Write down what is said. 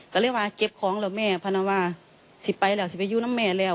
ก็เลยว่าเก็บของแล้วแม่พนวาที่ไปแล้วสิไปอยู่นะแม่แล้ว